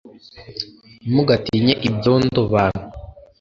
ntimugatinye ibyondo bantu